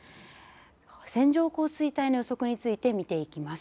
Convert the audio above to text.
線状降水帯の予測について見ていきます。